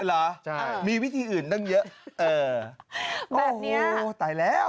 หรือมีวิธีอื่นตั้งเยอะเออโอ้โฮตายแล้ว